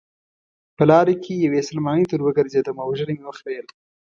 په لاره کې یوې سلمانۍ ته وروګرځېدم او ږیره مې وخریل.